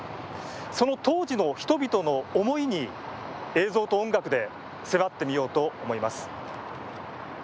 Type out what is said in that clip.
その当時の人々の思いに映像と音楽で迫ってみようと思います。